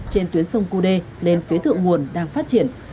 trên tuyến sông cú đê lên phía thượng nguồn đang phát triển